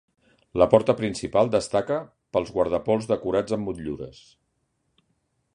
La porta principal destaca pels guardapols decorats amb motllures.